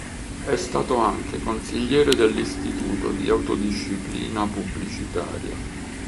È stato anche consigliere dell'Istituto di autodisciplina pubblicitaria.